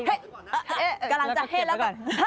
กำลังจะเฮดแล้วก่อน